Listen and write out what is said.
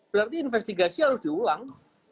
berarti investigasi harus diulang